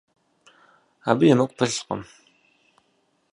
Абы емыкӀу пылъкъым.